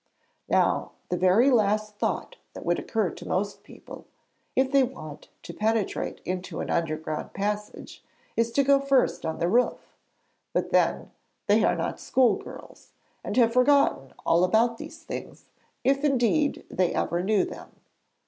Now, the very last thought that would occur to most people, if they want to penetrate into an underground passage, is to go first on to the roof; but then they are not school girls, and have forgotten all about these things, if, indeed, they ever knew them.